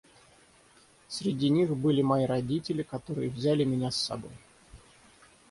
Среди них были мои родители, которые взяли меня с собой.